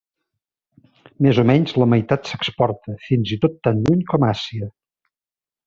Més o menys la meitat s'exporta, fins i tot tan lluny com Àsia.